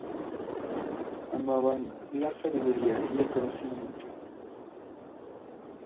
Amaban la sabiduría y el conocimiento.